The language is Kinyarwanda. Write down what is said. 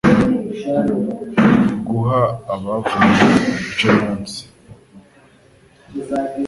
guha abavumwe igice munsi